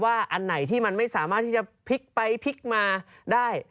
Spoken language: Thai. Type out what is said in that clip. อันไหนที่มันไม่สามารถที่จะพลิกไปพลิกมาได้